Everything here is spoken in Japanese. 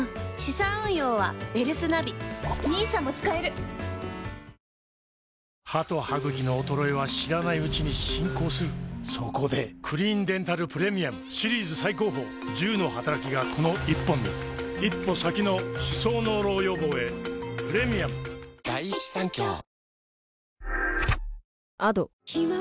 三井アウトレットパーク三井不動産グループ歯と歯ぐきの衰えは知らないうちに進行するそこで「クリーンデンタルプレミアム」シリーズ最高峰１０のはたらきがこの１本に一歩先の歯槽膿漏予防へプレミアムヘイ！